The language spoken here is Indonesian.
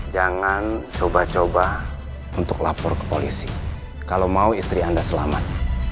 jangan coba coba untuk lapor ke polisi kalau mau istri anda selamat